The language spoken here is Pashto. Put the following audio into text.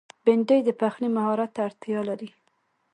بېنډۍ د پخلي مهارت ته اړتیا لري